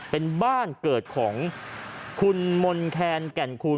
เป็นบ้านเกิดของคุณมนต์แคนแก่นคูณ